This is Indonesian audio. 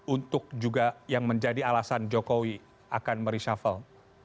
untuk juga yang menjadi alasan jokowi akan mereshuffle